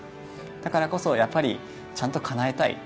だからこそ、ちゃんとかなえたい。